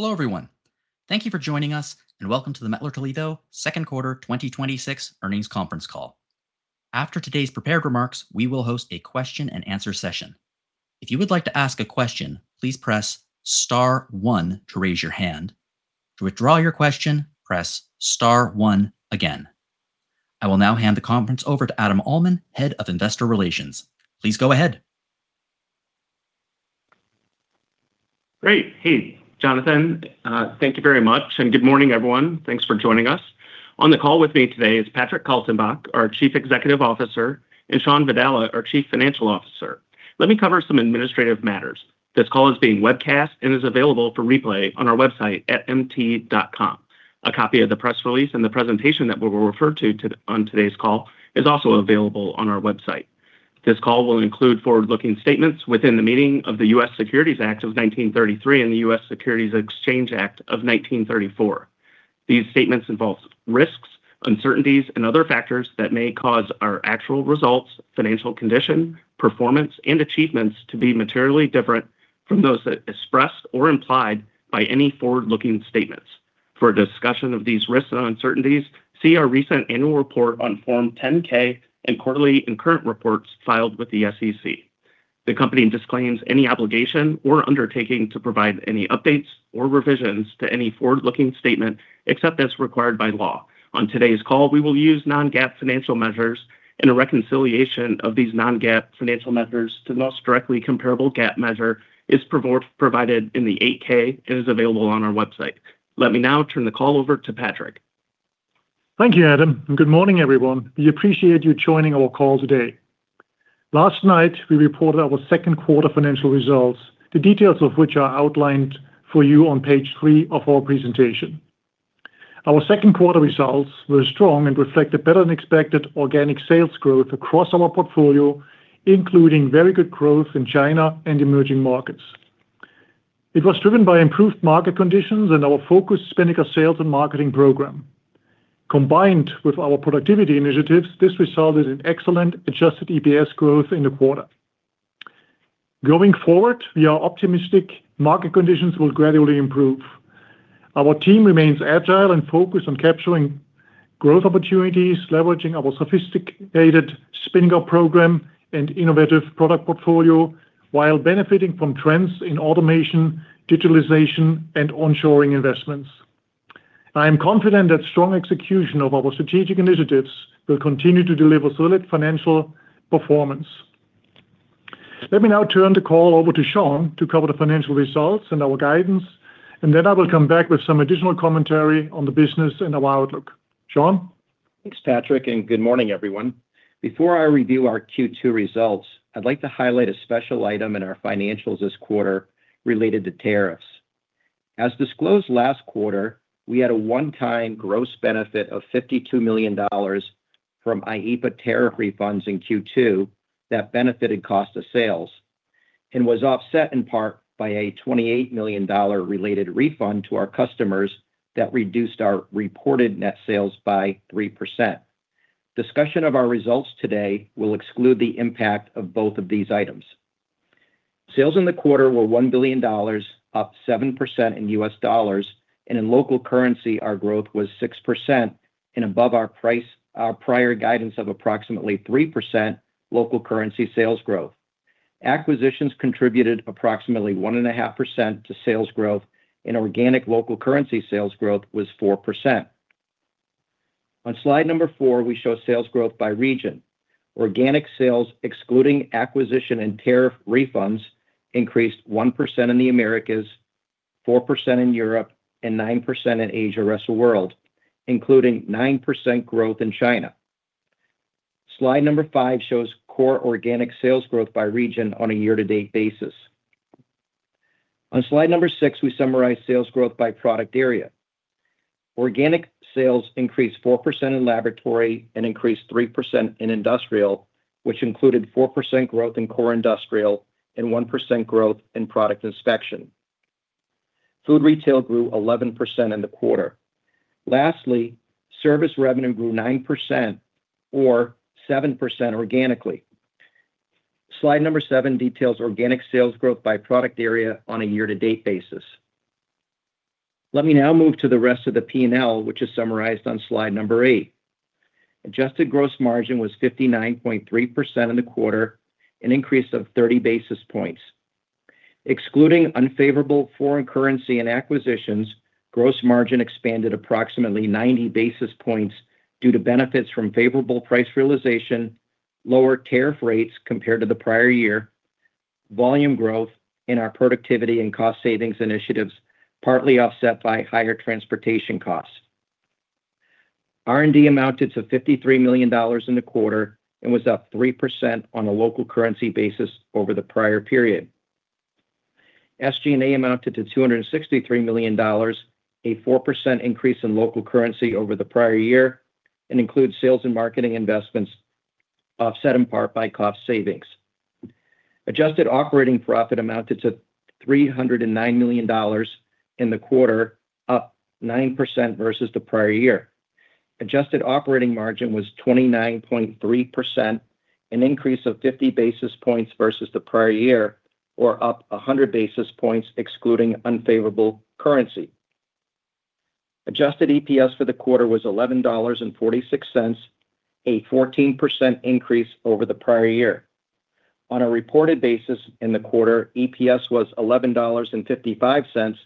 Hello, everyone. Thank you for joining us, and welcome to the Mettler-Toledo second quarter 2026 earnings conference call. After today's prepared remarks, we will host a question and answer session. If you would like to ask a question, please press star one to raise your hand. To withdraw your question, press star one again. I will now hand the conference over to Adam Uhlman, Head of Investor Relations. Please go ahead. Great. Hey, Jonathan. Thank you very much. Good morning, everyone. Thanks for joining us. On the call with me today is Patrick Kaltenbach, our Chief Executive Officer, and Shawn Vadala, our Chief Financial Officer. Let me cover some administrative matters. This call is being webcast and is available for replay on our website at mt.com. A copy of the press release and the presentation that will be referred to on today's call is also available on our website. This call will include forward-looking statements within the meaning of the U.S. Securities Act of 1933 and the U.S. Securities Exchange Act of 1934. These statements involve risks, uncertainties, and other factors that may cause our actual results, financial condition, performance, and achievements to be materially different from those expressed or implied by any forward-looking statements. For a discussion of these risks and uncertainties, see our recent annual report on Form 10-K and quarterly and current reports filed with the SEC. The company disclaims any obligation or undertaking to provide any updates or revisions to any forward-looking statement, except as required by law. On today's call, we will use non-GAAP financial measures. A reconciliation of these non-GAAP financial measures to the most directly comparable GAAP measure is provided in the 8-K and is available on our website. Let me now turn the call over to Patrick. Thank you, Adam. Good morning, everyone. We appreciate you joining our call today. Last night, we reported our second quarter financial results, the details of which are outlined for you on page three of our presentation. Our second quarter results were strong and reflected better-than-expected organic sales growth across our portfolio, including very good growth in China and emerging markets. It was driven by improved market conditions and our focused Spinnaker sales and marketing program. Combined with our productivity initiatives, this resulted in excellent adjusted EPS growth in the quarter. Going forward, we are optimistic market conditions will gradually improve. Our team remains agile and focused on capturing growth opportunities, leveraging our sophisticated Spinnaker program and innovative product portfolio while benefiting from trends in automation, digitalization, and onshoring investments. I am confident that strong execution of our strategic initiatives will continue to deliver solid financial performance. Let me now turn the call over to Shawn to cover the financial results and our guidance, and then I will come back with some additional commentary on the business and our outlook. Shawn? Thanks, Patrick, and good morning, everyone. Before I review our Q2 results, I'd like to highlight a special item in our financials this quarter related to tariffs. As disclosed last quarter, we had a one-time gross benefit of $52 million from IEEPA tariff refunds in Q2 that benefited cost of sales and was offset in part by a $28 million related refund to our customers that reduced our reported net sales by 3%. Discussion of our results today will exclude the impact of both of these items. Sales in the quarter were $1 billion, up 7% in US dollars, and in local currency, our growth was 6% and above our prior guidance of approximately 3% local currency sales growth. Acquisitions contributed approximately 1.5% to sales growth, and organic local currency sales growth was 4%. On slide number four, we show sales growth by region. Organic sales, excluding acquisition and tariff refunds, increased 1% in the Americas, 4% in Europe, and 9% in Asia/rest of world, including 9% growth in China. Slide number five shows core organic sales growth by region on a year-to-date basis. On slide number six, we summarize sales growth by product area. Organic sales increased 4% in laboratory and increased 3% in industrial, which included 4% growth in core industrial and 1% growth in Product Inspection. Food Retail grew 11% in the quarter. Lastly, service revenue grew 9%, or 7% organically. Slide number seven details organic sales growth by product area on a year-to-date basis. Let me now move to the rest of the P&L, which is summarized on slide number eight. Adjusted gross margin was 59.3% in the quarter, an increase of 30 basis points. Excluding unfavorable foreign currency and acquisitions, gross margin expanded approximately 90 basis points due to benefits from favorable price realization, lower tariff rates compared to the prior year, volume growth in our productivity and cost savings initiatives, partly offset by higher transportation costs. R&D amounted to $53 million in the quarter and was up 3% on a local currency basis over the prior period. SG&A amounted to $263 million, a 4% increase in local currency over the prior year, and includes sales and marketing investments, offset in part by cost savings. Adjusted operating profit amounted to $309 million in the quarter, up 9% versus the prior year. Adjusted operating margin was 29.3%, an increase of 50 basis points versus the prior year, or up 100 basis points excluding unfavorable currency. Adjusted EPS for the quarter was $11.46, a 14% increase over the prior year. On a reported basis in the quarter, EPS was $11.55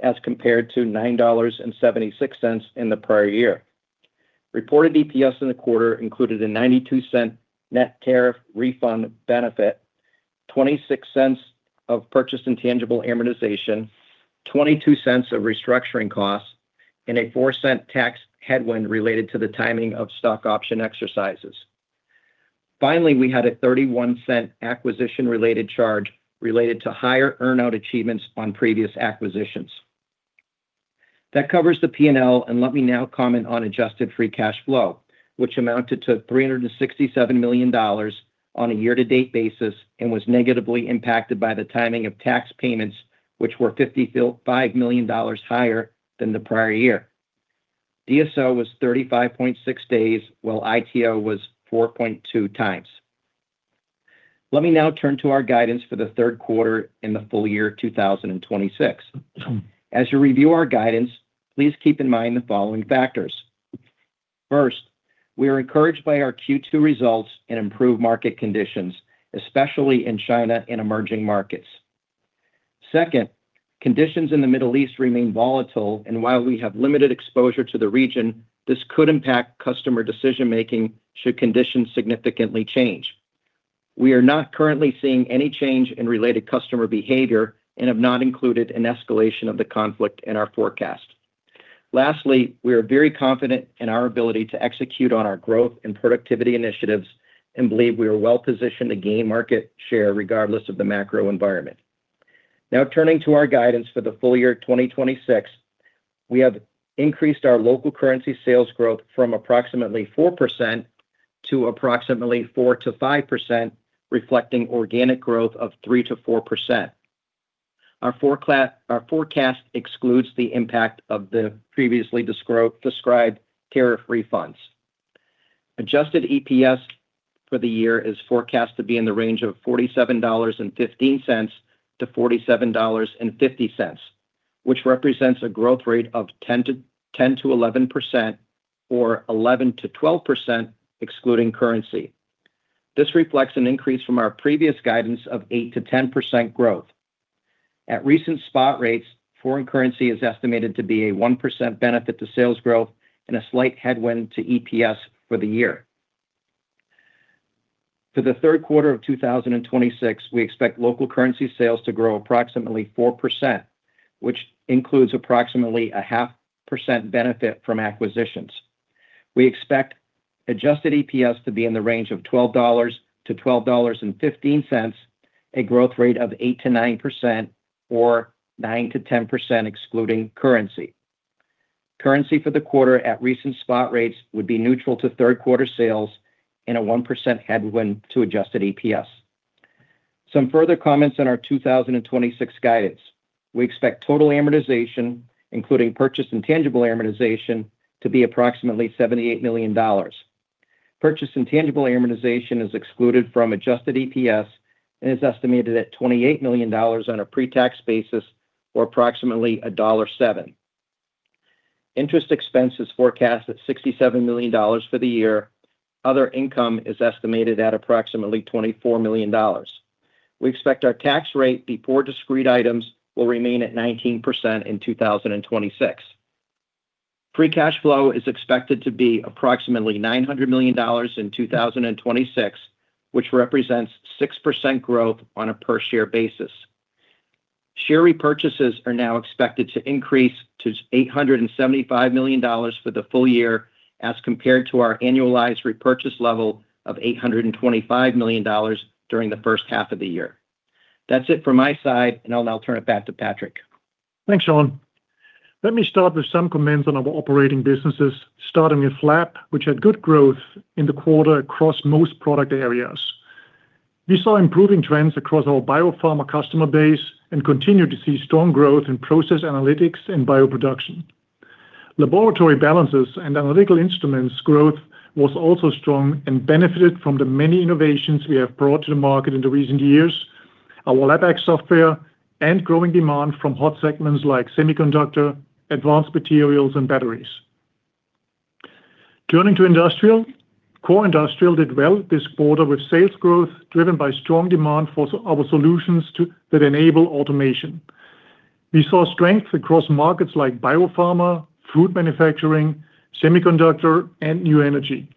as compared to $9.76 in the prior year. Reported EPS in the quarter included a $0.92 net tariff refund benefit, $0.26 of purchased intangible amortization, $0.22 of restructuring costs, and a $0.04 tax headwind related to the timing of stock option exercises. Finally, we had a $0.31 acquisition-related charge related to higher earn-out achievements on previous acquisitions. Let me now comment on adjusted free cash flow, which amounted to $367 million on a year-to-date basis and was negatively impacted by the timing of tax payments, which were $55 million higher than the prior year. DSO was 35.6 days, while ITO was 4.2x. Let me now turn to our guidance for the third quarter and the full year 2026. As you review our guidance, please keep in mind the following factors. First, we are encouraged by our Q2 results and improved market conditions, especially in China and emerging markets. Second, conditions in the Middle East remain volatile, and while we have limited exposure to the region, this could impact customer decision-making should conditions significantly change. We are not currently seeing any change in related customer behavior and have not included an escalation of the conflict in our forecast. Lastly, we are very confident in our ability to execute on our growth and productivity initiatives and believe we are well positioned to gain market share regardless of the macro environment. Now turning to our guidance for the full year 2026. We have increased our local currency sales growth from approximately 4% to approximately 4%-5%, reflecting organic growth of 3%-4%. Our forecast excludes the impact of the previously described tariff refunds. Adjusted EPS for the year is forecast to be in the range of $47.15-$47.50, which represents a growth rate of 10%-11%, or 11%-12%, excluding currency. This reflects an increase from our previous guidance of 8%-10% growth. At recent spot rates, foreign currency is estimated to be a 1% benefit to sales growth and a slight headwind to EPS for the year. For the third quarter of 2026, we expect local currency sales to grow approximately 4%, which includes approximately a 0.5% benefit from acquisitions. We expect adjusted EPS to be in the range of $12-$12.15, a growth rate of 8%-9%, or 9%-10%, excluding currency. Currency for the quarter at recent spot rates would be neutral to third quarter sales and a 1% headwind to adjusted EPS. Some further comments on our 2026 guidance. We expect total amortization, including purchased intangible amortization, to be approximately $78 million. Purchased intangible amortization is excluded from adjusted EPS and is estimated at $28 million on a pre-tax basis or approximately $1.07. Interest expense is forecast at $67 million for the year. Other income is estimated at approximately $24 million. We expect our tax rate before discrete items will remain at 19% in 2026. Free cash flow is expected to be approximately $900 million in 2026, which represents 6% growth on a per share basis. Share repurchases are now expected to increase to $875 million for the full year, as compared to our annualized repurchase level of $825 million during the first half of the year. That's it for my side. I'll now turn it back to Patrick. Thanks, Shawn. Let me start with some comments on our operating businesses, starting with Lab, which had good growth in the quarter across most product areas. We saw improving trends across our biopharma customer base and continued to see strong growth in process analytics and bioproduction. Laboratory balances and analytical instruments growth was also strong and benefited from the many innovations we have brought to the market in the recent years. Our LabX software and growing demand from hot segments like semiconductor, advanced materials, and batteries. Turning to Industrial, Core Industrial did well this quarter with sales growth driven by strong demand for our solutions that enable automation. We saw strength across markets like biopharma, food manufacturing, semiconductor, and new energy.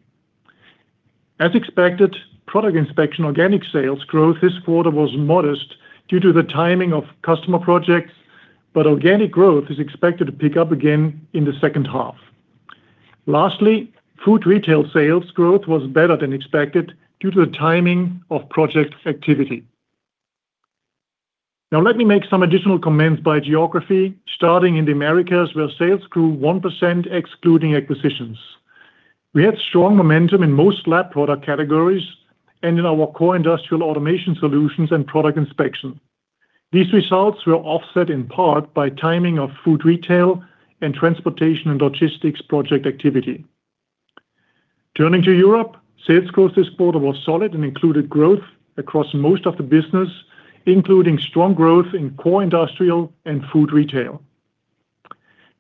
As expected, Product Inspection organic sales growth this quarter was modest due to the timing of customer projects, but organic growth is expected to pick up again in the second half. Lastly, Food Retail sales growth was better than expected due to the timing of project activity. Now let me make some additional comments by geography, starting in the Americas, where sales grew 1% excluding acquisitions. We had strong momentum in most Lab product categories and in our Core Industrial automation solutions and Product Inspection. These results were offset in part by timing of Food Retail and transportation and logistics project activity. Turning to Europe, sales growth this quarter was solid and included growth across most of the business, including strong growth in Core Industrial and Food Retail.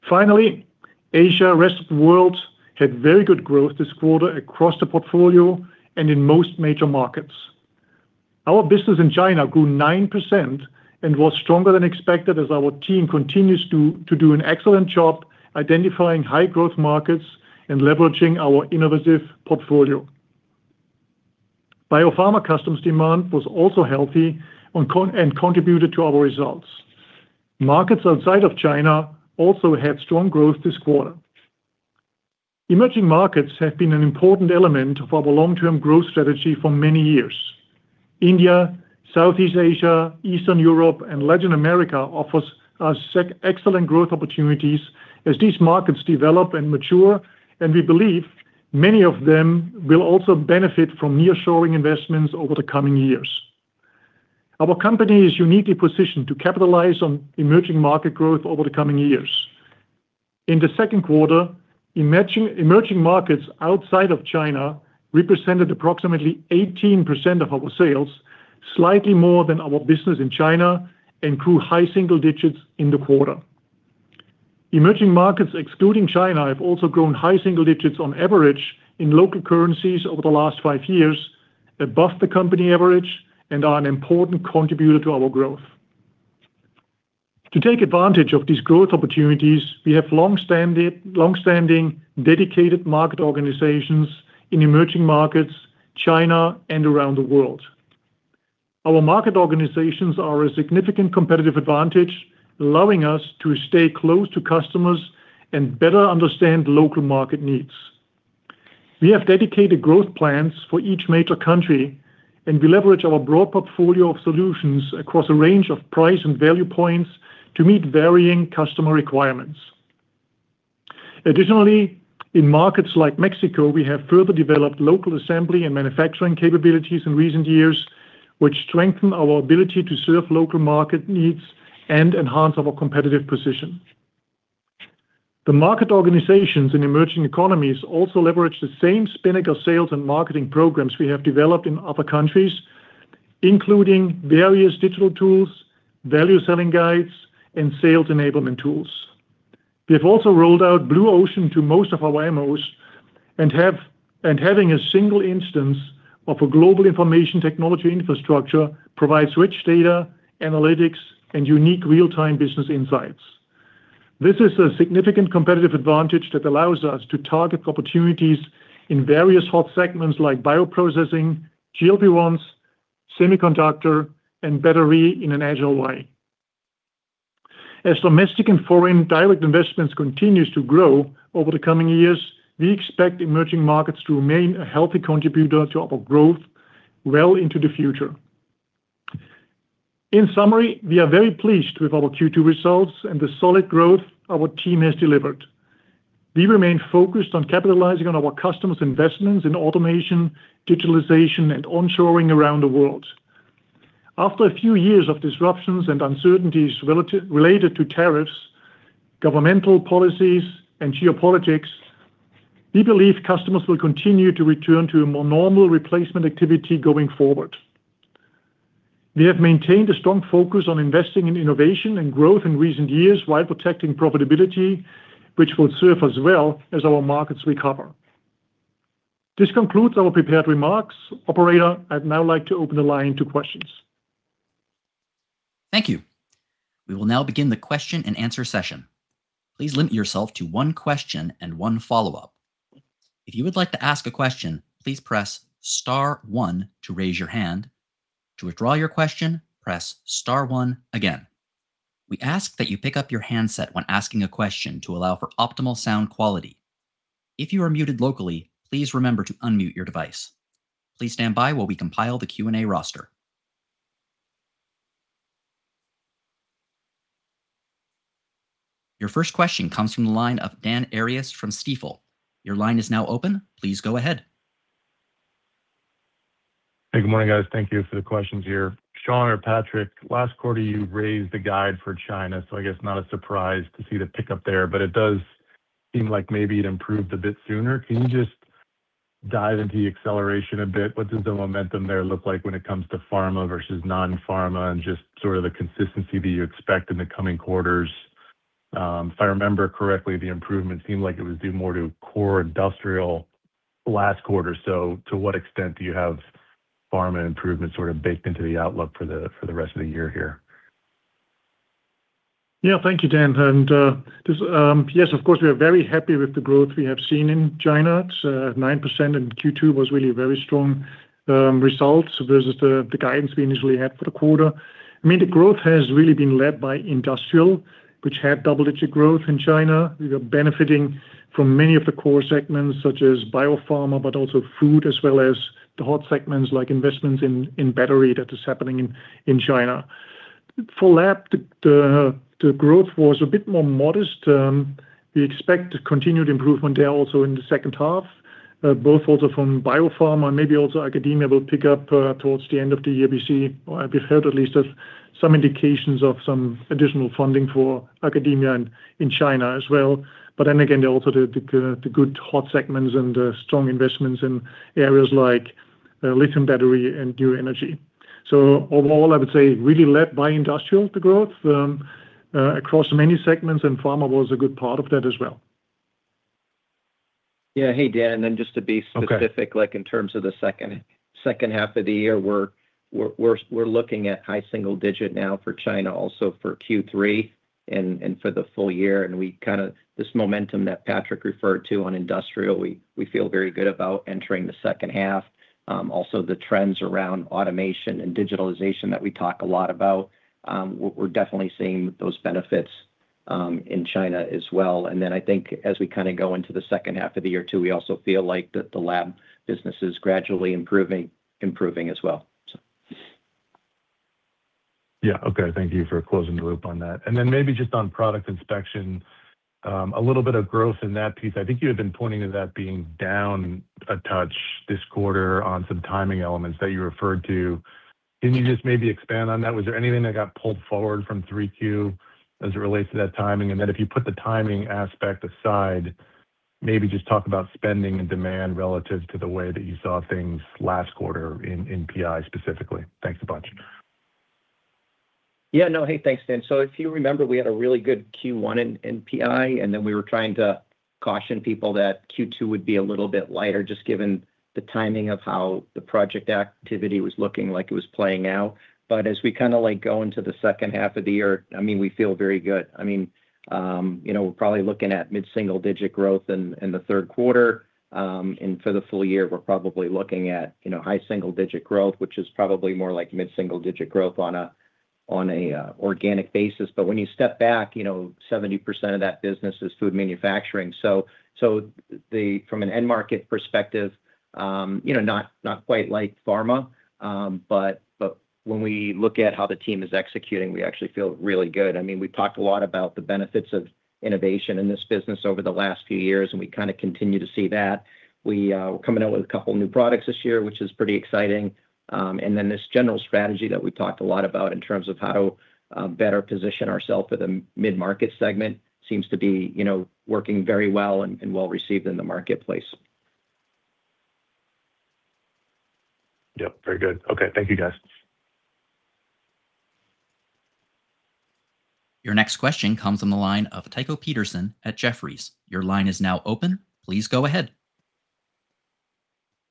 Finally, Asia rest of world had very good growth this quarter across the portfolio and in most major markets. Our business in China grew 9% and was stronger than expected, as our team continues to do an excellent job identifying high growth markets and leveraging our innovative portfolio. Biopharma customs demand was also healthy and contributed to our results. Markets outside of China also had strong growth this quarter. Emerging markets have been an important element of our long-term growth strategy for many years. India, Southeast Asia, Eastern Europe, and Latin America offers us excellent growth opportunities as these markets develop and mature, and we believe many of them will also benefit from nearshoring investments over the coming years. Our company is uniquely positioned to capitalize on emerging market growth over the coming years. In the second quarter, emerging markets outside of China represented approximately 18% of our sales, slightly more than our business in China, and grew high single digits in the quarter. Emerging markets excluding China have also grown high single digits on average in local currencies over the last five years above the company average and are an important contributor to our growth. To take advantage of these growth opportunities, we have longstanding dedicated Market Organizations in emerging markets, China, and around the world. Our Market Organizations are a significant competitive advantage, allowing us to stay close to customers and better understand local market needs. We have dedicated growth plans for each major country, and we leverage our broad portfolio of solutions across a range of price and value points to meet varying customer requirements. Additionally, in markets like Mexico, we have further developed local assembly and manufacturing capabilities in recent years, which strengthen our ability to serve local market needs and enhance our competitive position. The Market Organizations in emerging economies also leverage the same Spinnaker sales and marketing programs we have developed in other countries, including various digital tools, value selling guides, and sales enablement tools. We have also rolled out Blue Ocean to most of our MOs, and having a single instance of a global information technology infrastructure provides rich data, analytics, and unique real-time business insights. This is a significant competitive advantage that allows us to target opportunities in various hot segments like bioprocessing, GLP-1s, semiconductor, and battery in an agile way. As domestic and foreign direct investments continues to grow over the coming years, we expect emerging markets to remain a healthy contributor to our growth well into the future. In summary, we are very pleased with our Q2 results and the solid growth our team has delivered. We remain focused on capitalizing on our customers' investments in automation, digitalization, and onshoring around the world. After a few years of disruptions and uncertainties related to tariffs, governmental policies, and geopolitics, we believe customers will continue to return to a more normal replacement activity going forward. We have maintained a strong focus on investing in innovation and growth in recent years while protecting profitability, which will serve us well as our markets recover. This concludes our prepared remarks. Operator, I'd now like to open the line to questions. Thank you. We will now begin the question and answer session. Please limit yourself to one question and one follow-up. If you would like to ask a question, please press star one to raise your hand. To withdraw your question, press star one again. We ask that you pick up your handset when asking a question to allow for optimal sound quality. If you are muted locally, please remember to unmute your device. Please stand by while we compile the Q&A roster. Your first question comes from the line of Dan Arias from Stifel. Your line is now open. Please go ahead. Hey, good morning, guys. Thank you for the questions here. Shawn or Patrick, last quarter, you raised the guide for China, so I guess not a surprise to see the pickup there, but it does seem like maybe it improved a bit sooner. Can you just dive into the acceleration a bit? What does the momentum there look like when it comes to pharma versus non-pharma, and just sort of the consistency that you expect in the coming quarters? If I remember correctly, the improvement seemed like it was due more to core industrial last quarter. So to what extent do you have pharma improvements sort of baked into the outlook for the rest of the year here? Thank you, Dan. Yes, of course, we are very happy with the growth we have seen in China. It's 9% in Q2, was really very strong results versus the guidance we initially had for the quarter. The growth has really been led by industrial, which had double-digit growth in China. We are benefiting from many of the core segments, such as biopharma, but also food, as well as the hot segments like investments in battery that is happening in China. For lab, the growth was a bit more modest. We expect a continued improvement there also in the second half. Both also from biopharma, maybe also academia will pick up towards the end of the year. We see, or I've heard at least of some indications of some additional funding for academia and in China as well. Again, also the good hot segments and strong investments in areas like lithium battery and new energy. Overall, I would say really led by industrial, the growth, across many segments, and pharma was a good part of that as well. Hey, Dan, just to be specific. Okay In terms of the second half of the year, we're looking at high single-digit now for China, also for Q3 and for the full year. This momentum that Patrick referred to on industrial, we feel very good about entering the second half. Also, the trends around automation and digitalization that we talk a lot about, we're definitely seeing those benefits in China as well. I think as we go into the second half of the year too, we also feel like the lab business is gradually improving as well. Yeah. Okay. Thank you for closing the loop on that. Maybe just on Product Inspection, a little bit of growth in that piece. I think you had been pointing to that being down a touch this quarter on some timing elements that you referred to. Can you just maybe expand on that? Was there anything that got pulled forward from Q3 as it relates to that timing? If you put the timing aspect aside, maybe just talk about spending and demand relative to the way that you saw things last quarter in PI specifically. Thanks a bunch. Yeah. No, hey, thanks, Dan. If you remember, we had a really good Q1 in PI, and then we were trying to caution people that Q2 would be a little bit lighter, just given the timing of how the project activity was looking like it was playing out. As we go into the second half of the year, we feel very good. We're probably looking at mid-single digit growth in the third quarter. For the full year, we're probably looking at high single digit growth, which is probably more like mid-single digit growth on an organic basis. When you step back, 70% of that business is food manufacturing. From an end market perspective, not quite like pharma. When we look at how the team is executing, we actually feel really good. We talked a lot about the benefits of innovation in this business over the last few years, and we continue to see that. We're coming out with a couple of new products this year, which is pretty exciting. This general strategy that we talked a lot about in terms of how better position ourself in the mid-market segment seems to be working very well and well received in the marketplace. Yep. Very good. Okay. Thank you, guys. Your next question comes on the line of Tycho Peterson at Jefferies. Your line is now open. Please go ahead.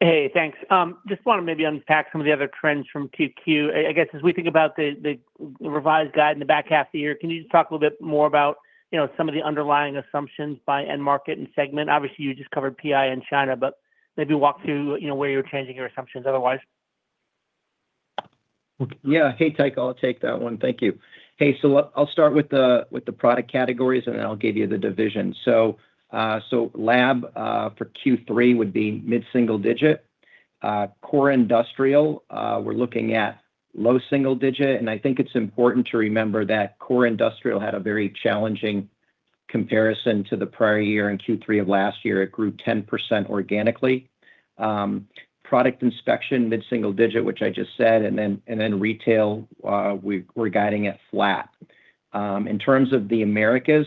Hey, thanks. Want to maybe unpack some of the other trends from Q2. I guess as we think about the revised guide in the back half of the year, can you just talk a little bit more about some of the underlying assumptions by end market and segment? Obviously, you just covered PI and China, maybe walk through where you're changing your assumptions otherwise. Yeah. Hey, Tycho. I'll take that one. Thank you. Hey, I'll start with the product categories, then I'll give you the division. Lab, for Q3 would be mid-single digit. Core industrial, we're looking at low single digit, and I think it's important to remember that core industrial had a very challenging comparison to the prior year in Q3 of last year. It grew 10% organically. Product Inspection, mid-single digit, which I just said. Retail, we're guiding it flat. In terms of the Americas,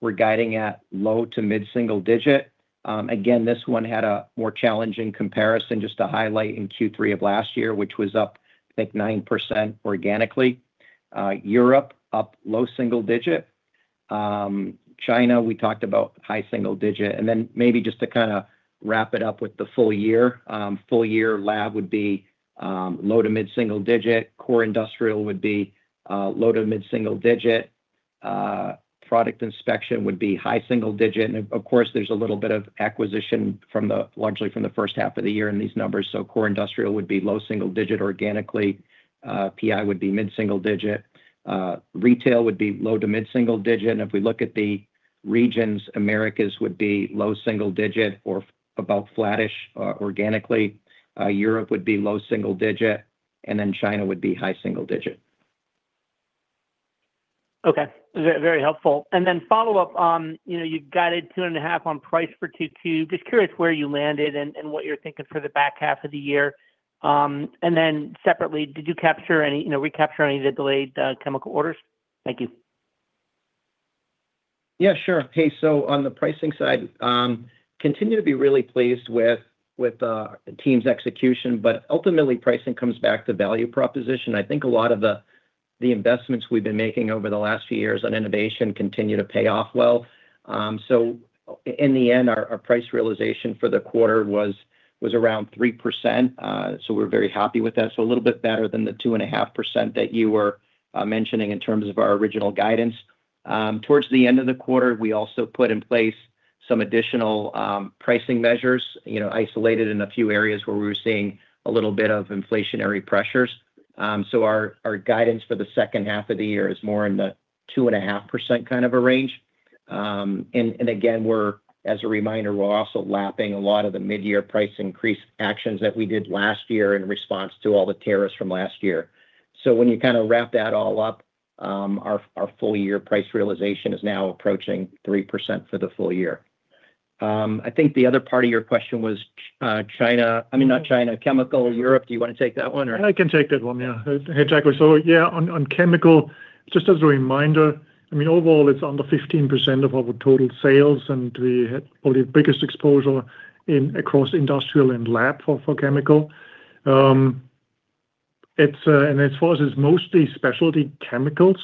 we're guiding at low to mid-single digit. Again, this one had a more challenging comparison, just to highlight in Q3 of last year, which was up, I think 9% organically. Europe, up low single digit. China, we talked about high single digit. Maybe just to wrap it up with the full year. Full year Lab would be low to mid-single digit. Core industrial would be low to mid-single digit. Product Inspection would be high single digit. Of course, there's a little bit of acquisition largely from the first half of the year in these numbers. Core industrial would be low single digit organically. PI would be mid-single digit. Retail would be low to mid-single digit. If we look at the regions, Americas would be low single digit or about flattish organically. Europe would be low single digit, China would be high single digit. Okay. Very helpful. Follow up on, you've guided 2.5 on price for Q2. Just curious where you landed and what you're thinking for the back half of the year. Separately, did you recapture any of the delayed chemical orders? Thank you. Yeah, sure. Hey, on the pricing side, continue to be really pleased with the team's execution, but ultimately pricing comes back to value proposition. I think a lot of the investments we've been making over the last few years on innovation continue to pay off well. In the end, our price realization for the quarter was around 3%. We're very happy with that. A little bit better than the 2.5% that you were mentioning in terms of our original guidance. Towards the end of the quarter, we also put in place some additional pricing measures, isolated in a few areas where we were seeing a little bit of inflationary pressures. Our guidance for the second half of the year is more in the 2.5% range. Again, as a reminder, we're also lapping a lot of the mid-year price increase actions that we did last year in response to all the tariffs from last year. When you wrap that all up Our full-year price realization is now approaching 3% for the full year. I think the other part of your question was China. I mean, not China, Chemical Europe. Do you want to take that one? I can take that one, yeah. Hey, Jack. Yeah, on Chemical, just as a reminder, overall it's under 15% of our total sales, and we had probably the biggest exposure across Industrial and Lab for Chemical. As far as it's mostly specialty chemicals,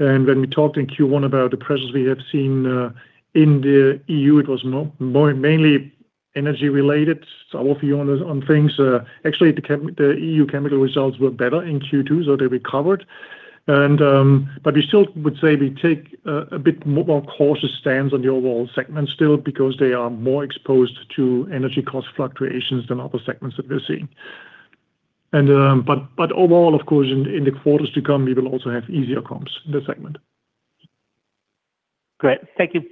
and when we talked in Q1 about the pressures we have seen in the EU, it was mainly energy related. Some of you on things, actually the EU chemical results were better in Q2, they recovered. We still would say we take a bit more cautious stance on the overall segment still because they are more exposed to energy cost fluctuations than other segments that we're seeing. Overall, of course, in the quarters to come, we will also have easier comps in this segment. Great. Thank you.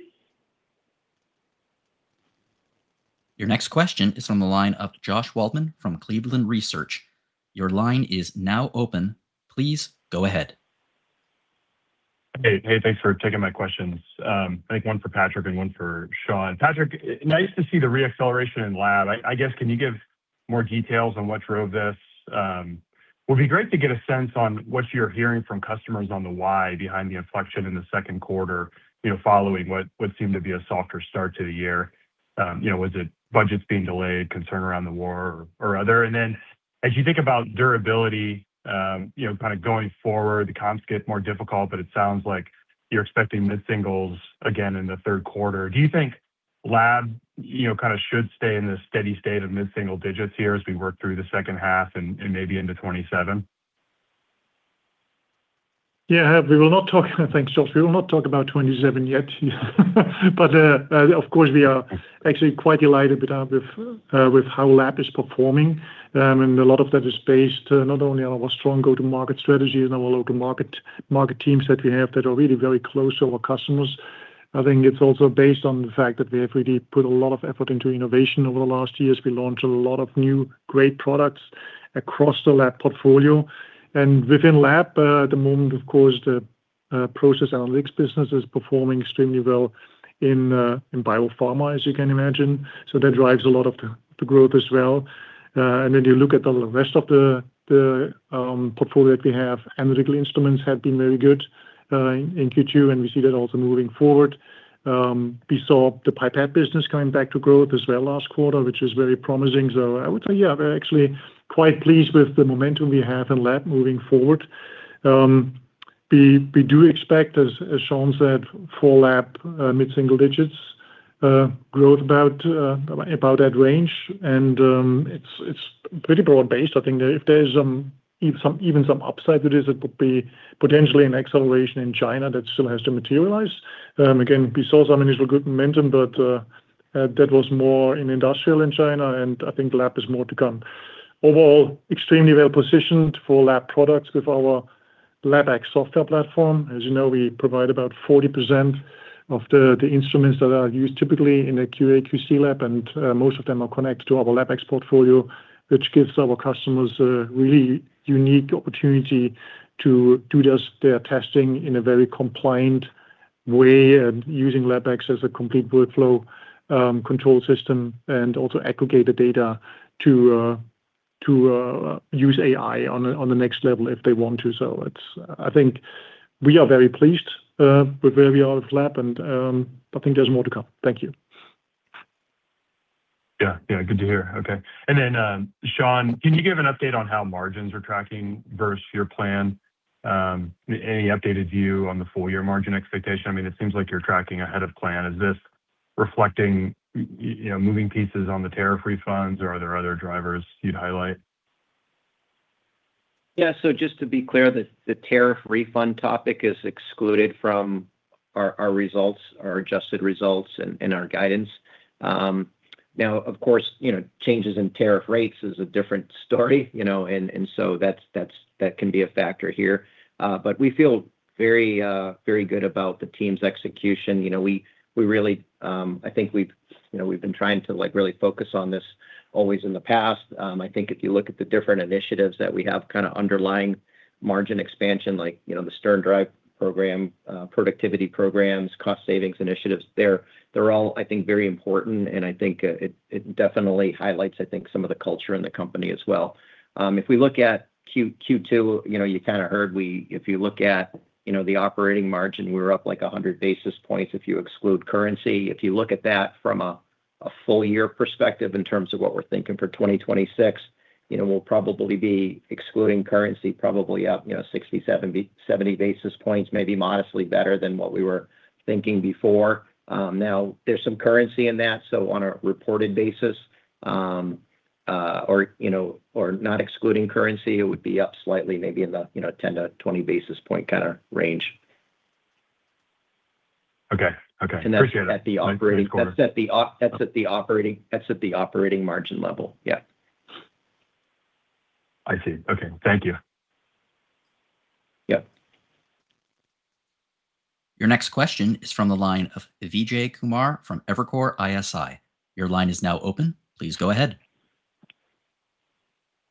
Your next question is from the line of Josh Waldman from Cleveland Research. Your line is now open. Please go ahead. Hey, thanks for taking my questions. I think one for Patrick and one for Shawn. Patrick, nice to see the re-acceleration in Lab. I guess, can you give more details on what drove this? Would be great to get a sense on what you're hearing from customers on the why behind the inflection in the second quarter following what seemed to be a softer start to the year. Was it budgets being delayed, concern around the war, or other? Then as you think about durability going forward, the comps get more difficult, but it sounds like you're expecting mid-singles again in the third quarter. Do you think Lab should stay in this steady state of mid-single digits here as we work through the second half and maybe into 2027? Yeah. Thanks, Josh. We will not talk about 2027 yet. Of course, we are actually quite delighted with how Lab is performing. A lot of that is based not only on our strong go-to-market strategy and our local market teams that we have that are really very close to our customers. I think it's also based on the fact that we have really put a lot of effort into innovation over the last years. We launched a lot of new great products across the Lab portfolio. Within Lab, at the moment, of course, the process analytics business is performing extremely well in biopharma, as you can imagine. That drives a lot of the growth as well. Then you look at the rest of the portfolio that we have, analytical instruments have been very good in Q2, and we see that also moving forward. We saw the Pipette business coming back to growth as well last quarter, which is very promising. I would say, yeah, we're actually quite pleased with the momentum we have in Lab moving forward. We do expect, as Shawn said, full Lab mid-single digits growth about that range. It's pretty broad-based. I think if there's even some upside to this, it would be potentially an acceleration in China that still has to materialize. Again, we saw some initial good momentum, but that was more in industrial in China, and I think Lab has more to come. Overall, extremely well positioned for Lab products with our LabX software platform. As you know, we provide about 40% of the instruments that are used typically in a QA/QC lab, and most of them are connected to our LabX portfolio, which gives our customers a really unique opportunity to do their testing in a very compliant way and using LabX as a complete workflow control system, and also aggregate the data to use AI on the next level if they want to. I think we are very pleased with where we are with Lab, and I think there's more to come. Thank you. Yeah. Good to hear. Okay. Shawn, can you give an update on how margins are tracking versus your plan? Any updated view on the full-year margin expectation? It seems like you're tracking ahead of plan. Is this reflecting moving pieces on the tariff refunds, or are there other drivers you'd highlight? Yeah. Just to be clear, the tariff refund topic is excluded from our results, our adjusted results and our guidance. Now, of course, changes in tariff rates is a different story. That can be a factor here. We feel very good about the team's execution. I think we've been trying to really focus on this always in the past. I think if you look at the different initiatives that we have underlying margin expansion, the SternDrive program, productivity programs, cost savings initiatives, they're all, I think, very important, and I think it definitely highlights some of the culture in the company as well. If we look at Q2, you kind of heard, if you look at the operating margin, we were up like 100 basis points if you exclude currency. If you look at that from a full-year perspective in terms of what we're thinking for 2026, we'll probably be excluding currency probably up 60, 70 basis points, maybe modestly better than what we were thinking before. There's some currency in that, so on a reported basis or not excluding currency, it would be up slightly maybe in the 10-20 basis point kind of range. Okay. Appreciate it. That's at the operating margin level. Yeah. I see. Okay. Thank you. Yeah. Your next question is from the line of Vijay Kumar from Evercore ISI. Your line is now open. Please go ahead.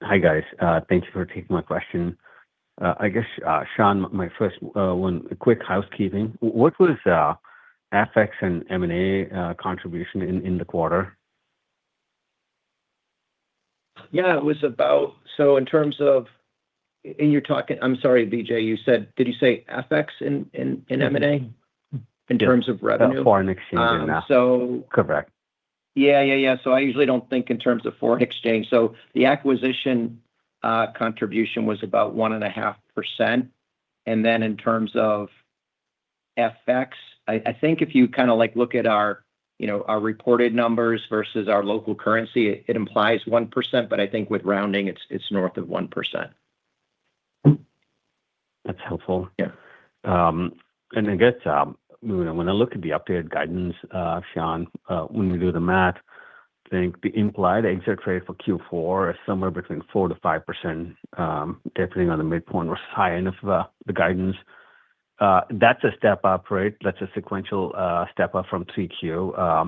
Hi, guys. Thank you for taking my question. I guess, Shawn, my first one, quick housekeeping. What was FX and M&A contribution in the quarter? Yeah. I'm sorry, Vijay, did you say FX and M&A in terms of revenue? Foreign exchange and that. So- Correct. Yeah. I usually don't think in terms of foreign exchange. The acquisition contribution was about 1.5%, and then in terms of FX, I think if you look at our reported numbers versus our local currency, it implies 1%, but I think with rounding, it's north of 1%. That's helpful. Yeah. I guess when I look at the updated guidance, Shawn, when we do the math, I think the implied exit rate for Q4 is somewhere between 4%-5%, depending on the midpoint or high end of the guidance. That's a step-up rate. That's a sequential step-up from 3Q.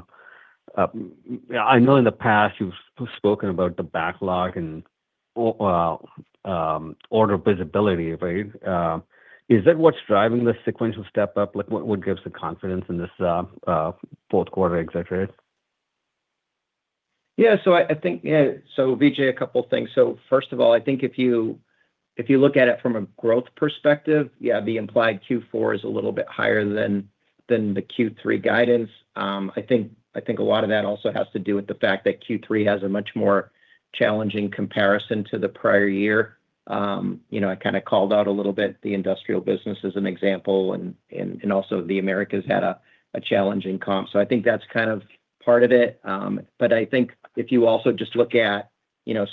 I know in the past you've spoken about the backlog and order visibility, right? Is that what's driving the sequential step-up? What gives the confidence in this fourth quarter exit rate? Yeah. Vijay, a couple of things. First of all, I think if you look at it from a growth perspective, yeah, the implied Q4 is a little bit higher than the Q3 guidance. I think a lot of that also has to do with the fact that Q3 has a much more challenging comparison to the prior year. I kind of called out a little bit the industrial business as an example, and also the Americas had a challenging comp. I think that's kind of part of it. I think if you also just look at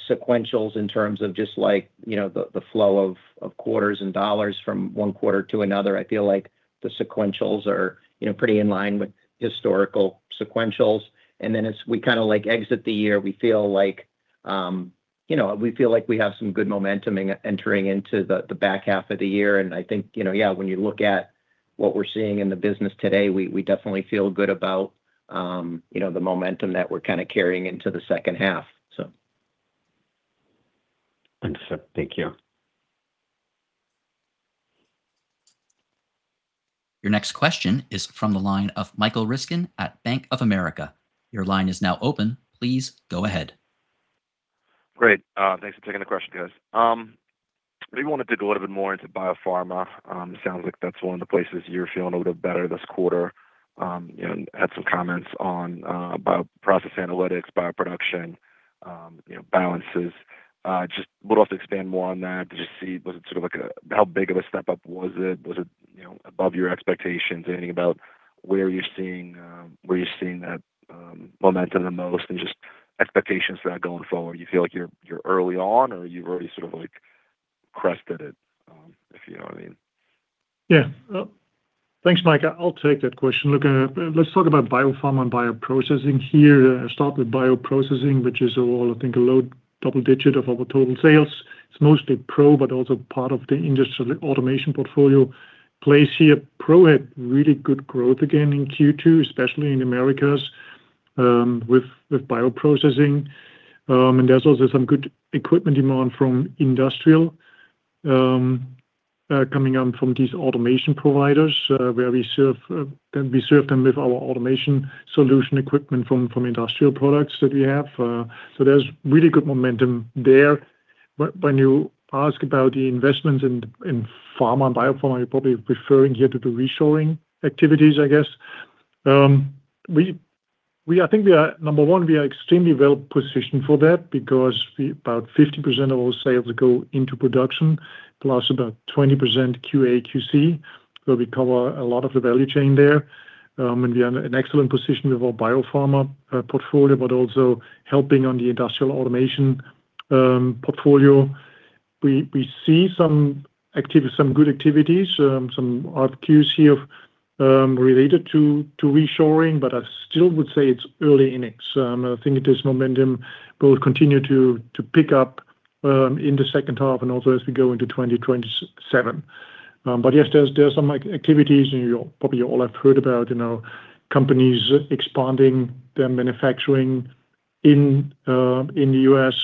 sequentials in terms of just the flow of quarters and dollars from one quarter to another, I feel like the sequentials are pretty in line with historical sequentials. As we exit the year, we feel like we have some good momentum entering into the back half of the year, and I think, yeah, when you look at what we're seeing in the business today, we definitely feel good about the momentum that we're kind of carrying into the second half. Understood. Thank you. Your next question is from the line of Michael Ryskin at Bank of America. Your line is now open. Please go ahead. Great. Thanks for taking the question, guys. I maybe want to dig a little bit more into biopharma. It sounds like that's one of the places you're feeling a little bit better this quarter. Had some comments on bioprocess analytics, bioproduction, balances. I just would love to expand more on that. How big of a step-up was it? Was it above your expectations? Anything about where you're seeing that momentum the most, and just expectations for that going forward. You feel like you're early on, or you've already sort of crested it, if you know what I mean? Thanks, Michael. I'll take that question. Let's talk about biopharma and bioprocessing here. Start with bioprocessing, which is all, I think, a low double-digit of our total sales. It's mostly Pro, but also part of the industrial automation portfolio plays here. Pro had really good growth again in Q2, especially in Americas, with bioprocessing. There's also some good equipment demand from industrial coming on from these automation providers, where we serve them with our automation solution equipment from industrial products that we have. There's really good momentum there. When you ask about the investments in pharma and biopharma, you're probably referring here to the reshoring activities, I guess. I think, number one, we are extremely well-positioned for that because about 50% of our sales go into production, plus about 20% QA/QC. We cover a lot of the value chain there, and we are in an excellent position with our biopharma portfolio, but also helping on the industrial automation portfolio. We see some good activities, some RFQs here related to reshoring, but I still would say it's early innings. I think this momentum will continue to pick up in the second half and also as we go into 2027. Yes, there's some activities, and you probably all have heard about companies expanding their manufacturing in the U.S.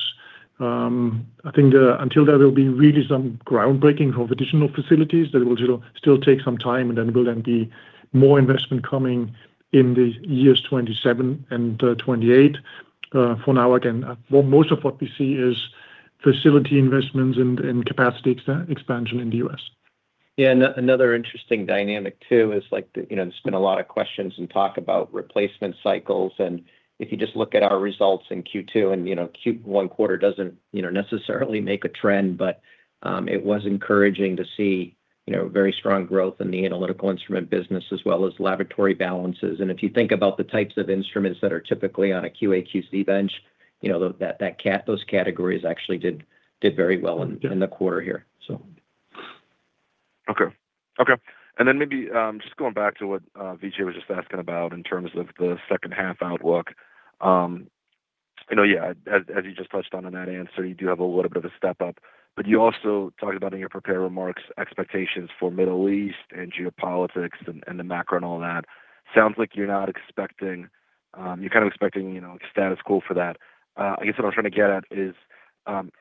I think until there will be really some groundbreaking of additional facilities, that will still take some time, and then there's going to be more investment coming in the years 2027 and 2028. For now, again, most of what we see is facility investments and capacity expansion in the U.S. Another interesting dynamic too is there's been a lot of questions and talk about replacement cycles, and if you just look at our results in Q2, and one quarter doesn't necessarily make a trend, but it was encouraging to see very strong growth in the analytical instrument business, as well as laboratory balances. If you think about the types of instruments that are typically on a QA/QC bench, those categories actually did very well in the quarter here. Maybe just going back to what Vijay was just asking about in terms of the second half outlook. As you just touched on in that answer, you do have a little bit of a step-up, but you also talked about in your prepared remarks expectations for Middle East and geopolitics and the macro and all that. Sounds like you're kind of expecting status quo for that. I guess what I'm trying to get at is,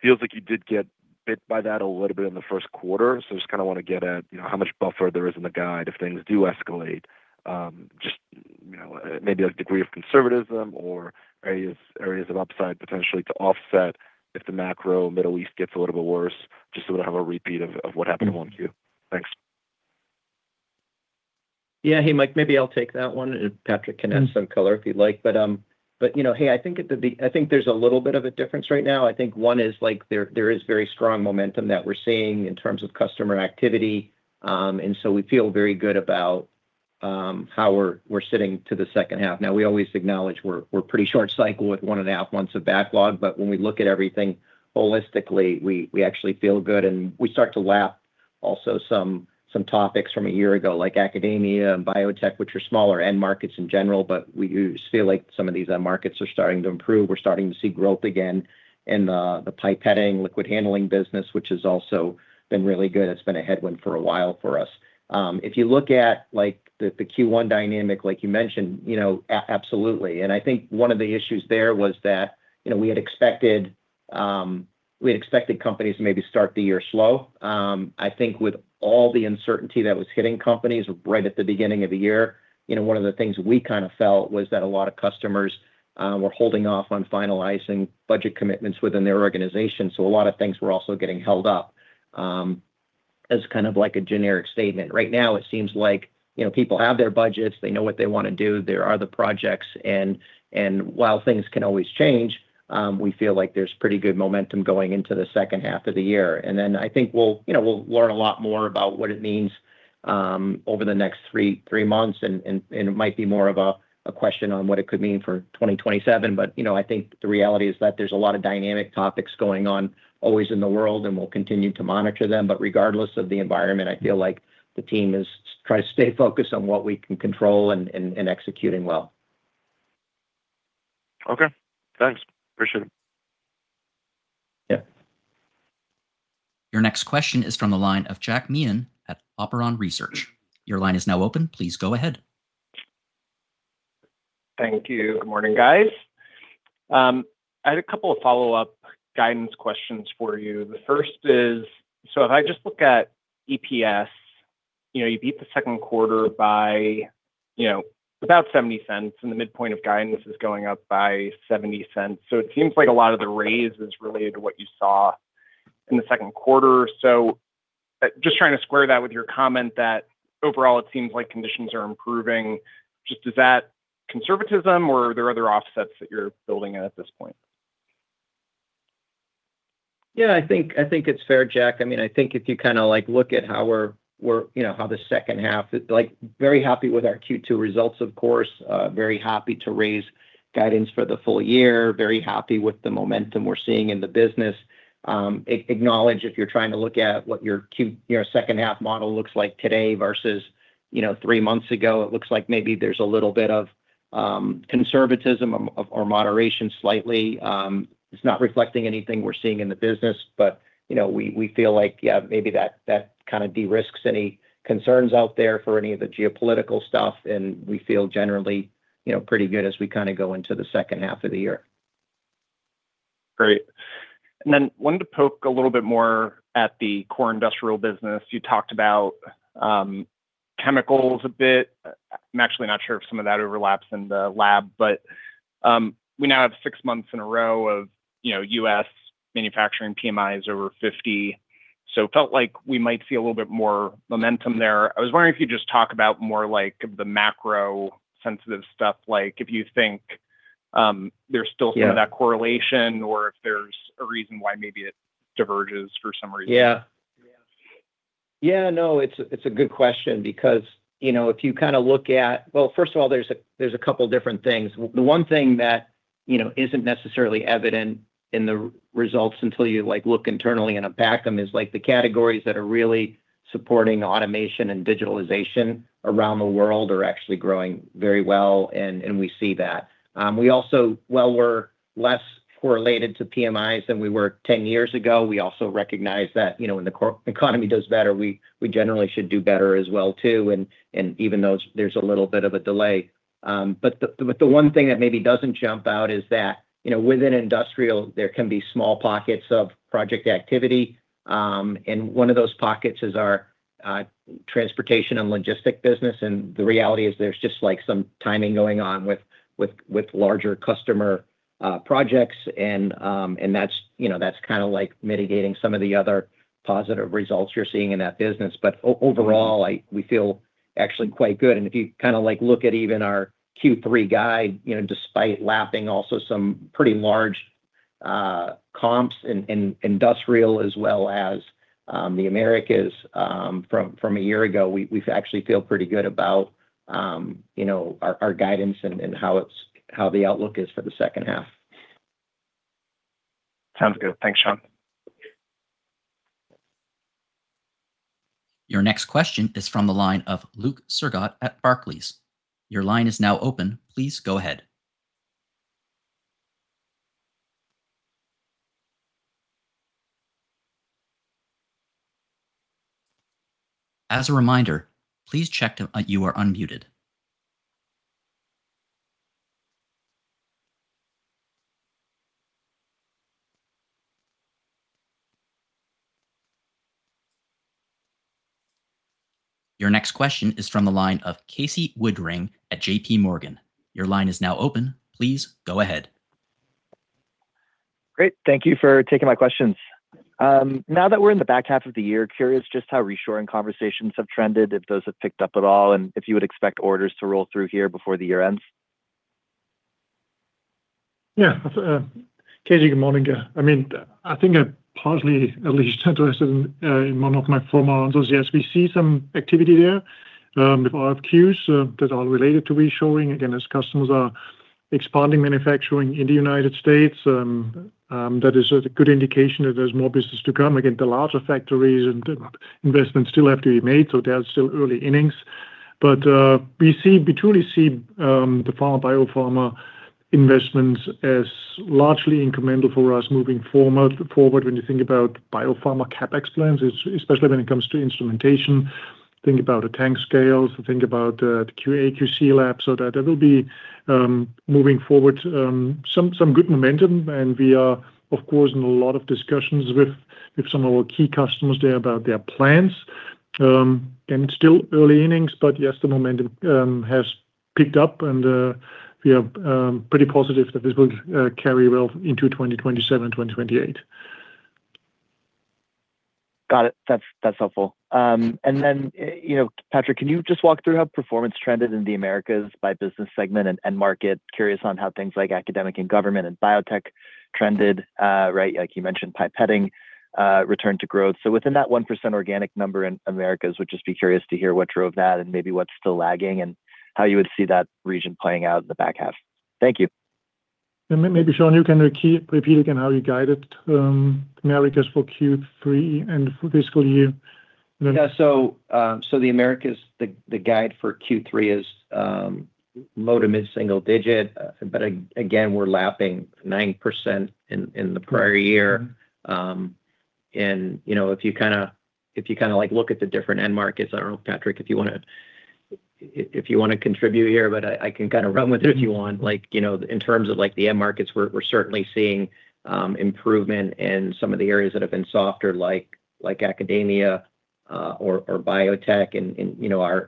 feels like you did get bit by that a little bit in the first quarter, so just kind of want to get at how much buffer there is in the guide if things do escalate. Maybe a degree of conservatism or areas of upside potentially to offset if the macro Middle East gets a little bit worse, just so we don't have a repeat of what happened in 1Q. Thanks. Hey, Michael, maybe I'll take that one and Patrick can add some color if you'd like. I think there's a little bit of a difference right now. I think one is there is very strong momentum that we're seeing in terms of customer activity. We feel very good about how we're sitting to the second half. We always acknowledge we're pretty short cycle with one and a half months of backlog, when we look at everything holistically, we actually feel good, and we start to lap also some topics from a year ago, like academia and biotech, which are smaller end markets in general, we feel like some of these end markets are starting to improve. We're starting to see growth again in the pipetting liquid handling business, which has also been really good. It's been a headwind for a while for us. If you look at the Q1 dynamic, like you mentioned, absolutely. I think one of the issues there was that we had expected companies to maybe start the year slow. I think with all the uncertainty that was hitting companies right at the beginning of the year, one of the things we kind of felt was that a lot of customers were holding off on finalizing budget commitments within their organization. A lot of things were also getting held up as kind of like a generic statement. It seems like people have their budgets, they know what they want to do. There are the projects, while things can always change, we feel like there's pretty good momentum going into the second half of the year. I think we'll learn a lot more about what it means over the next three months, and it might be more of a question on what it could mean for 2027. I think the reality is that there's a lot of dynamic topics going on always in the world, we'll continue to monitor them. Regardless of the environment, I feel like the team has tried to stay focused on what we can control and executing well. Okay. Thanks. Appreciate it. Yeah. Your next question is from the line of Jack Meehan at Nephron Research. Your line is now open. Please go ahead. Thank you. Good morning, guys. I had a couple of follow-up guidance questions for you. The first is, if I just look at EPS, you beat the second quarter by about $0.70, and the midpoint of guidance is going up by $0.70. It seems like a lot of the raise is related to what you saw in the second quarter. Just trying to square that with your comment that overall it seems like conditions are improving. Is that conservatism or are there other offsets that you're building in at this point? Yeah, I think it's fair, Jack. I think if you look at how the second half is very happy with our Q2 results, of course. Very happy to raise guidance for the full year. Very happy with the momentum we're seeing in the business. Acknowledge if you're trying to look at what your second half model looks like today versus three months ago, it looks like maybe there's a little bit of conservatism or moderation slightly. It's not reflecting anything we're seeing in the business, but we feel like maybe that kind of de-risks any concerns out there for any of the geopolitical stuff, and we feel generally pretty good as we kind of go into the second half of the year. Great. Wanted to poke a little bit more at the core industrial business. You talked about chemicals a bit. I'm actually not sure if some of that overlaps in the lab, but we now have six months in a row of U.S. manufacturing PMIs over 50. Felt like we might see a little bit more momentum there. I was wondering if you could just talk about more, like, the macro sensitive stuff, like if you think there's still some- Yeah Of that correlation or if there's a reason why maybe it diverges for some reason. Yeah. No, it's a good question because if you kind of look at Well, first of all, there's a couple different things. The one thing that isn't necessarily evident in the results until you look internally and unpack them is the categories that are really supporting automation and digitalization around the world are actually growing very well, and we see that. We also, while we're less correlated to PMIs than we were 10 years ago, we also recognize that when the economy does better, we generally should do better as well too, and even though there's a little bit of a delay. The one thing that maybe doesn't jump out is that within industrial, there can be small pockets of project activity. One of those pockets is our transportation and logistic business, and the reality is there's just some timing going on with larger customer projects, and that's kind of mitigating some of the other positive results you're seeing in that business. Overall, we feel actually quite good. If you look at even our Q3 guide, despite lapping also some pretty large comps in industrial as well as the Americas from a year ago, we actually feel pretty good about our guidance and how the outlook is for the second half. Sounds good. Thanks, Shawn. Your next question is from the line of Luke Sergott at Barclays. Your line is now open. Please go ahead. As a reminder, please check that you are unmuted. Your next question is from the line of Casey Woodring at JPMorgan. Your line is now open. Please go ahead. Great. Thank you for taking my questions. Now that we're in the back half of the year, curious just how reshoring conversations have trended, if those have picked up at all, and if you would expect orders to roll through here before the year ends. Casey, good morning. I think I partly alluded to this in one of my former answers. Yes, we see some activity there with RFQs that are related to reshoring. Again, as customers are expanding manufacturing in the United States, that is a good indication that there's more business to come. Again, the larger factories and investments still have to be made, so they are still early innings. We truly see the biopharma investments as largely incremental for us moving forward. When you think about biopharma CapEx plans, especially when it comes to instrumentation, think about the tank scales, think about the QA/QC lab, so that will be moving forward. Some good momentum, and we are, of course, in a lot of discussions with some of our key customers there about their plans. Still early innings, but yes, the momentum has picked up and we are pretty positive that this will carry well into 2027, 2028. Got it. That's helpful. Then, Patrick, can you just walk through how performance trended in the Americas by business segment and end market? Curious on how things like academic and government and biotech trended. Like you mentioned, pipetting returned to growth. Within that 1% organic number in Americas, would just be curious to hear what drove that and maybe what's still lagging, and how you would see that region playing out in the back half. Thank you. Maybe, Shawn, you can repeat again how you guided the Americas for Q3 and full fiscal year. Yeah. The Americas, the guide for Q3 is low to mid-single digit. Again, we're lapping 9% in the prior year. If you look at the different end markets, I don't know, Patrick, if you want to contribute here, but I can run with it if you want. In terms of the end markets, we're certainly seeing improvement in some of the areas that have been softer, like academia or biotech.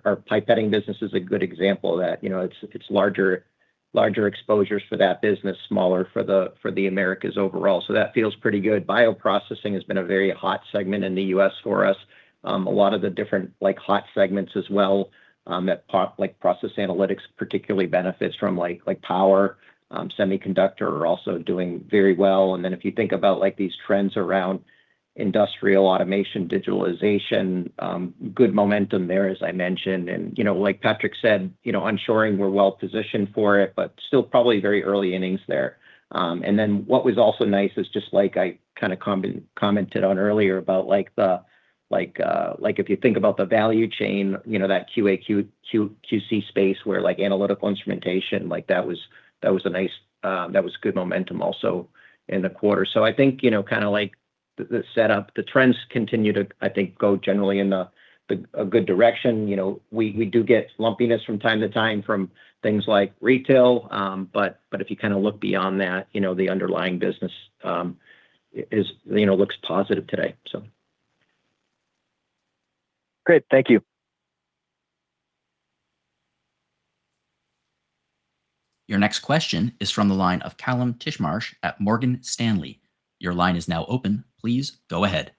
Our pipetting business is a good example of that. It's larger exposures for that business, smaller for the Americas overall. That feels pretty good. Bioprocessing has been a very hot segment in the U.S. for us. A lot of the different hot segments as well, like process analytics particularly benefits from power, semiconductor are also doing very well. If you think about these trends around industrial automation, digitalization, good momentum there, as I mentioned. Like Patrick said, on shoring, we're well-positioned for it, but still probably very early innings there. What was also nice is just like I kind of commented on earlier about if you think about the value chain, that QA/QC space where analytical instrumentation, that was good momentum also in the quarter. I think the set-up, the trends continue to, I think, go generally in a good direction. We do get lumpiness from time to time from things like retail. If you look beyond that, the underlying business looks positive today. Great. Thank you. Your next question is from the line of Kallum Titchmarsh at Morgan Stanley. Your line is now open. Please go ahead.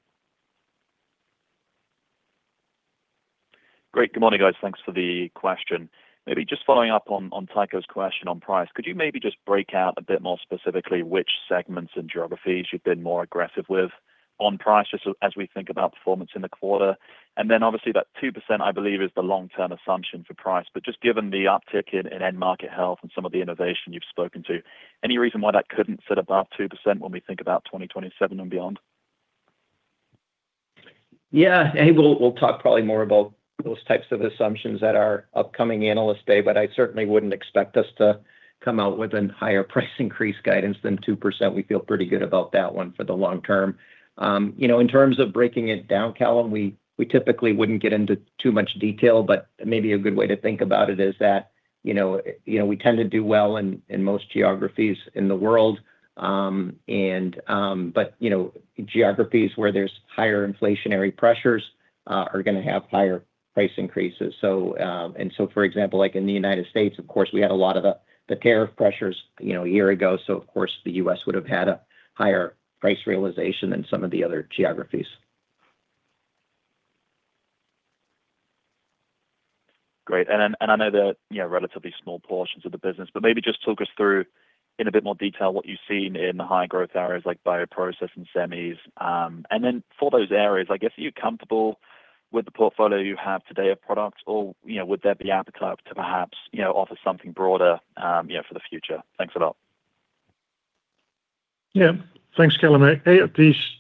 Great. Good morning, guys. Thanks for the question. Maybe just following up on Tycho's question on price, could you maybe just break out a bit more specifically which segments and geographies you've been more aggressive with on prices as we think about performance in the quarter? Obviously, that 2% I believe is the long-term assumption for price. Just given the uptick in end market health and some of the innovation you've spoken to, any reason why that couldn't sit above 2% when we think about 2027 and beyond? Yeah. Hey, we'll talk probably more about those types of assumptions at our upcoming Analyst Day, but I certainly wouldn't expect us to come out with a higher price increase guidance than 2%. We feel pretty good about that one for the long term. In terms of breaking it down, Kallum, we typically wouldn't get into too much detail, but maybe a good way to think about it is that we tend to do well in most geographies in the world. Geographies where there's higher inflationary pressures are going to have higher price increases. For example, like in the U.S., of course, we had a lot of the tariff pressures a year ago, so of course, the U.S. would have had a higher price realization than some of the other geographies. Great. I know they're relatively small portions of the business, but maybe just talk us through in a bit more detail what you've seen in the high growth areas like bioprocess and semis. Then for those areas, I guess, are you comfortable with the portfolio you have today of products? Or would there be appetite to perhaps offer something broader for the future? Thanks a lot. Yeah. Thanks, Kallum.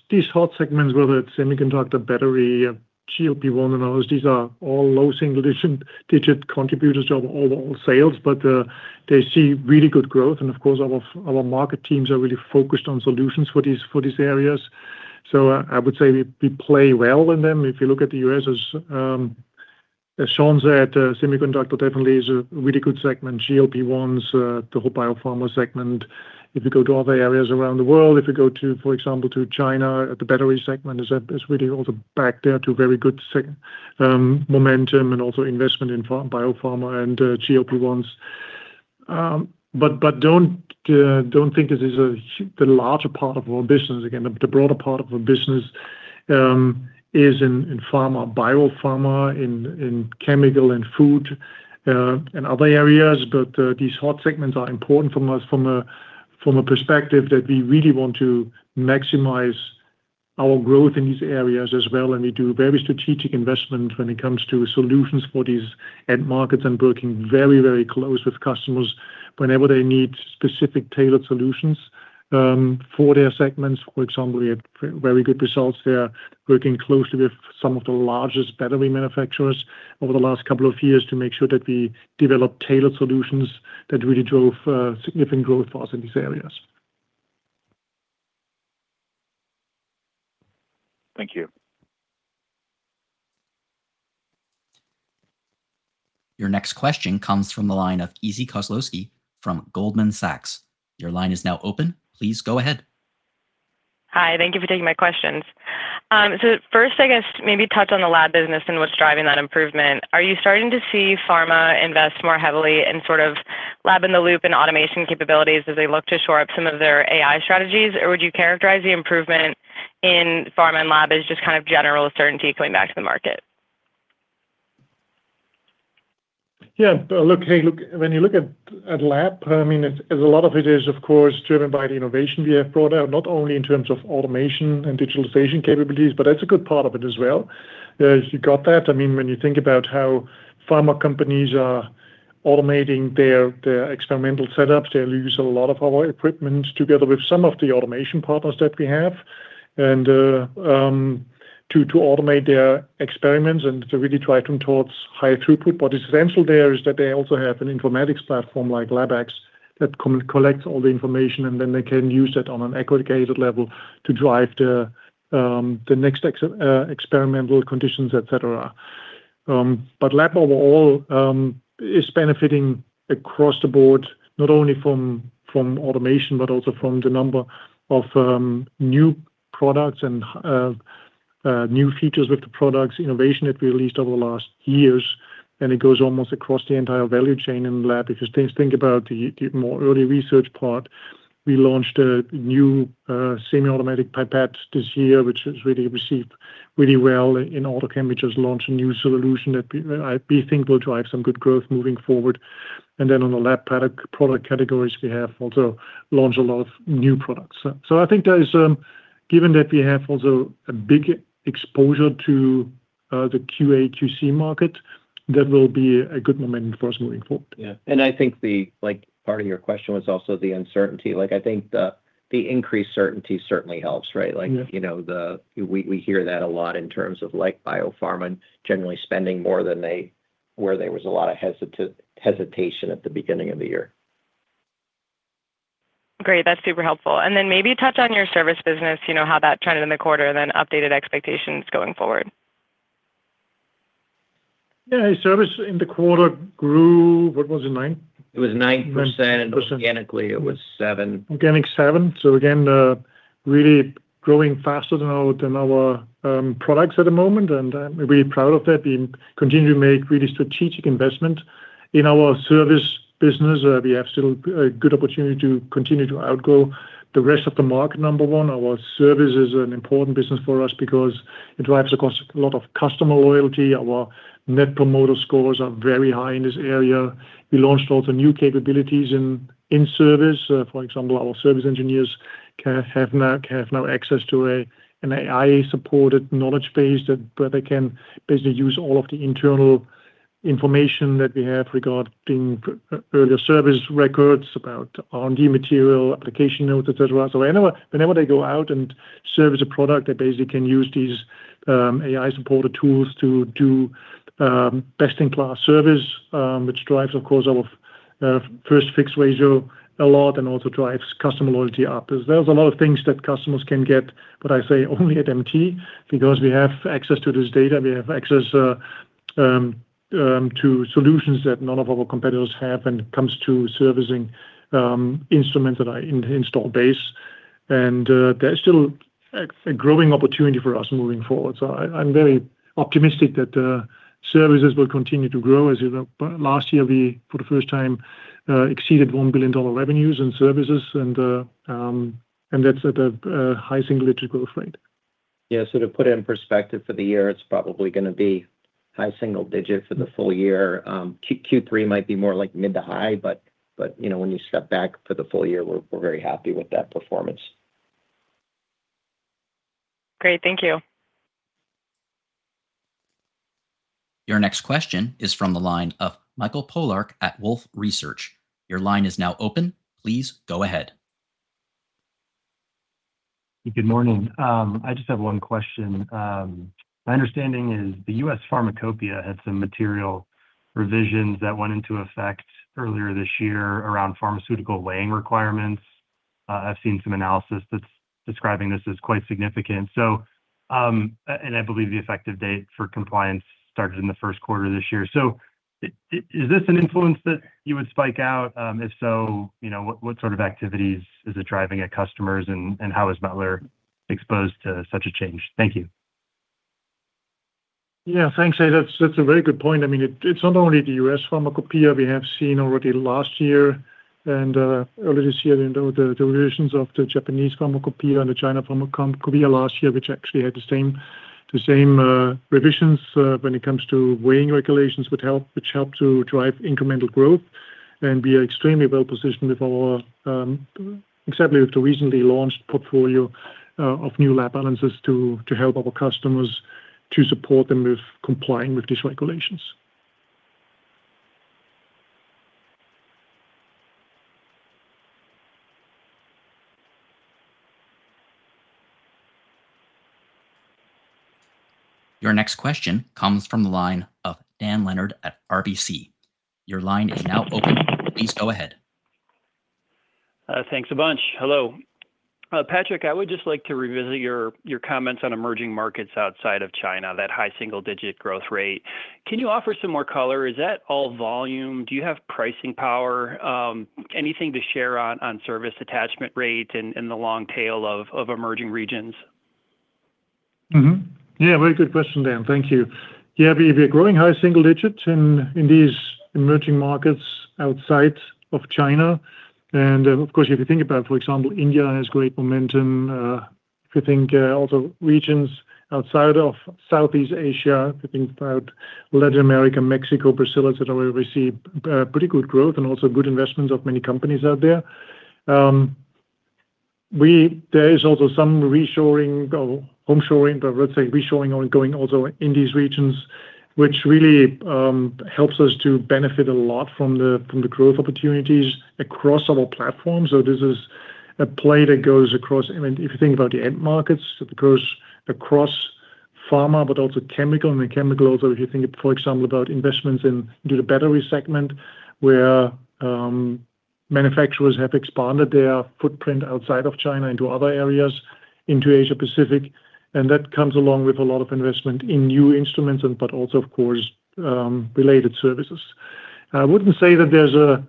These hot segments, whether it's semiconductor, battery, GLP-1 inhibitors, these are all low single-digit contributors to overall sales, but they see really good growth. Of course, our market teams are really focused on solutions for these areas. So I would say we play well in them. If you look at the U.S. as Shawn said, semiconductor definitely is a really good segment. GLP-1s, the whole biopharma segment. If you go to other areas around the world, if you go, for example, to China, the battery segment is really also back there to very good segment momentum and also investment in biopharma and GLP-1s. Don't think this is the larger part of our business. Again, the broader part of our business is in pharma, biopharma, in chemical and food, and other areas. These hot segments are important for us from a perspective that we really want to maximize our growth in these areas as well, and we do very strategic investment when it comes to solutions for these end markets and working very close with customers whenever they need specific tailored solutions for their segments. For example, we have very good results there, working closely with some of the largest battery manufacturers over the last couple of years to make sure that we develop tailored solutions that really drove significant growth for us in these areas. Thank you. Your next question comes from the line of Evie Koslowsky from Goldman Sachs. Your line is now open. Please go ahead. Hi. Thank you for taking my questions. First, I guess maybe touch on the lab business and what's driving that improvement. Are you starting to see pharma invest more heavily in lab in the loop and automation capabilities as they look to shore up some of their AI strategies? Or would you characterize the improvement in pharma and lab as just kind of general certainty coming back to the market? Yeah. When you look at lab, a lot of it is, of course, driven by the innovation we have brought out, not only in terms of automation and digitalization capabilities, but that's a good part of it as well. You got that. When you think about how pharma companies are automating their experimental setups, they use a lot of our equipment together with some of the automation partners that we have, and to automate their experiments and to really drive them towards higher throughput. Essential there is that they also have an informatics platform like LabX that can collect all the information, and then they can use that on an aggregated level to drive the next experimental conditions, et cetera. Lab overall, is benefiting across the board, not only from automation, but also from the number of new products and new features with the products innovation that we released over the last years. It goes almost across the entire value chain in lab, because think about the more early research part. We launched a new semiautomatic pipette this year, which has really received really well in AutoChem. We just launched a new solution that I think will drive some good growth moving forward. Then on the lab product categories, we have also launched a lot of new products. I think that is, given that we have also a big exposure to the QA/QC market, that will be a good momentum for us moving forward. Yeah. I think the part of your question was also the uncertainty. I think the increased certainty certainly helps, right? Yeah. We hear that a lot in terms of biopharma generally spending more than where there was a lot of hesitation at the beginning of the year. Great. That's super helpful. Then maybe touch on your service business, how that trended in the quarter, then updated expectations going forward. Yeah, service in the quarter grew, what was it, nine? It was 9%. 9%. Organically, it was seven. Organic 7. Again, really growing faster than our products at the moment, and I'm really proud of that. We continue to make really strategic investment in our service business. We have still a good opportunity to continue to outgrow the rest of the market, number one. Our service is an important business for us because it drives a lot of customer loyalty. Our Net Promoter Scores are very high in this area. We launched also new capabilities in service. For example, our service engineers can have now access to an AI-supported knowledge base where they can basically use all of the internal information that we have regarding earlier service records, about R&D material, application notes, et cetera. Whenever they go out and service a product, they basically can use these AI-supported tools to do best-in-class service, which drives, of course, our first fix ratio a lot and also drives customer loyalty up. There's a lot of things that customers can get, but I say only at MT, because we have access to this data. We have access to solutions that none of our competitors have when it comes to servicing instruments that are in install base. That's still a growing opportunity for us moving forward. I'm very optimistic that services will continue to grow, as last year, we, for the first time, exceeded $1 billion revenues in services, and that's at a high single-digit growth rate. To put it in perspective for the year, it's probably going to be high single-digit for the full year. Q3 might be more like mid-to-high, when you step back for the full year, we're very happy with that performance. Great. Thank you. Your next question is from the line of Michael Polark at Wolfe Research. Your line is now open. Please go ahead. Good morning. I just have one question. My understanding is the U.S. Pharmacopeia had some material revisions that went into effect earlier this year around pharmaceutical weighing requirements. I've seen some analysis that is describing this as quite significant. I believe the effective date for compliance started in the first quarter of this year. Is this an influence that you would spike out? If so, what sort of activities is it driving at customers, and how is Mettler exposed to such a change? Thank you. Yeah, thanks. That is a very good point. It is not only the U.S. Pharmacopeia. We have seen already last year and early this year, the revisions of the Japanese Pharmacopoeia and the Chinese Pharmacopoeia last year, which actually had the same revisions when it comes to weighing regulations, which help to drive incremental growth. We are extremely well-positioned, exactly with the recently launched portfolio of new lab balances to help our customers, to support them with complying with these regulations. Your next question comes from the line of Dan Leonard at RBC. Your line is now open. Please go ahead. Thanks a bunch. Hello. Patrick, I would just like to revisit your comments on emerging markets outside of China, that high single-digit growth rate. Can you offer some more color? Is that all volume? Do you have pricing power? Anything to share on service attachment rates and the long tail of emerging regions? Very good question, Dan. Thank you. We're growing high single digits in these emerging markets outside of China. Of course, if you think about, for example, India has great momentum. If you think also regions outside of Southeast Asia, if you think about Latin America, Mexico, Brazil, et cetera, we see pretty good growth and also good investments of many companies out there. There is also some reshoring or home shoring, but let's say reshoring ongoing also in these regions, which really helps us to benefit a lot from the growth opportunities across our platform. This is a play that goes across, if you think about the end markets, it goes across pharma, but also chemical and mechanical. If you think, for example, about investments in the battery segment, where manufacturers have expanded their footprint outside of China into other areas, into Asia Pacific, and that comes along with a lot of investment in new instruments, but also, of course, related services. I wouldn't say that there's a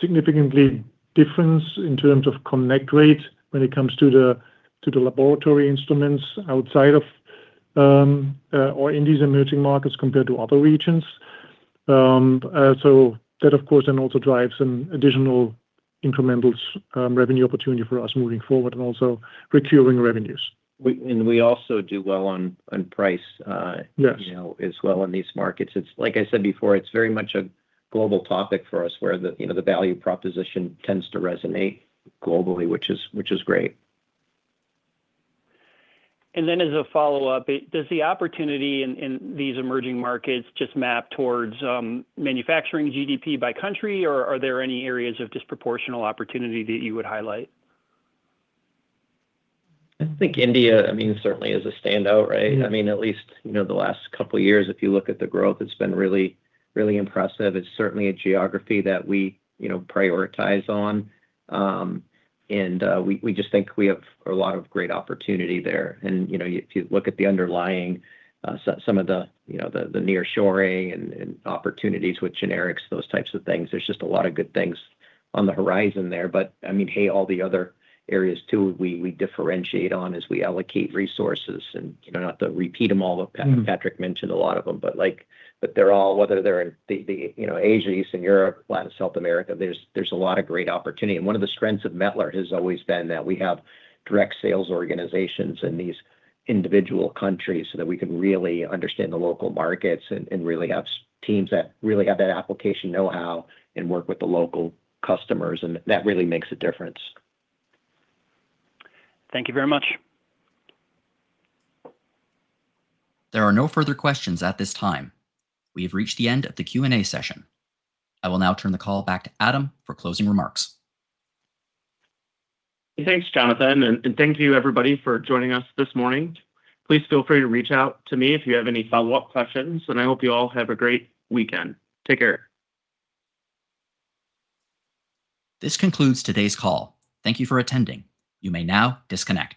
significantly difference in terms of connect rate when it comes to the laboratory instruments outside of or in these emerging markets compared to other regions. That, of course, then also drives some additional incremental revenue opportunity for us moving forward and also recurring revenues. We also do well on price Yes As well in these markets. It's like I said before, it's very much a global topic for us where the value proposition tends to resonate globally, which is great. As a follow-up, does the opportunity in these emerging markets just map towards manufacturing GDP by country, or are there any areas of disproportional opportunity that you would highlight? I think India certainly is a standout, right? At least the last couple of years, if you look at the growth, it's been really impressive. It's certainly a geography that we prioritize on. We just think we have a lot of great opportunity there. If you look at the underlying, some of the nearshoring and opportunities with generics, those types of things, there's just a lot of good things on the horizon there. Hey, all the other areas too, we differentiate on as we allocate resources and not to repeat them all, Patrick mentioned a lot of them, but they're all, whether they're in Asia, Eastern Europe, Latin, South America, there's a lot of great opportunity. One of the strengths of Mettler has always been that we have direct sales organizations in these individual countries so that we can really understand the local markets and really have teams that really have that application know-how and work with the local customers, and that really makes a difference. Thank you very much. There are no further questions at this time. We have reached the end of the Q&A session. I will now turn the call back to Adam for closing remarks. Thanks, Jonathan, and thank you, everybody, for joining us this morning. Please feel free to reach out to me if you have any follow-up questions, and I hope you all have a great weekend. Take care. This concludes today's call. Thank you for attending. You may now disconnect.